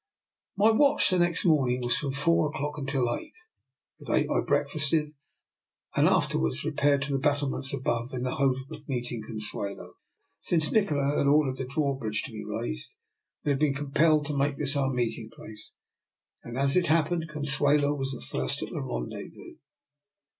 My watch next morning was from four 230 DR NIKOLA'S EXPERIMENT. o'clock until eight. At eight I breakfasted, and afterwards repaired to the battlements above in the hope of meeting Consuelo. Since Nikola had ordered the drawbridge to be raised, we had been compelled to make this our meeting place, and, as it happened, Con suelo was first at the rendezvous.